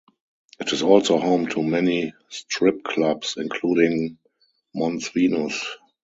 It is also home to many strip clubs, including Mons Venus.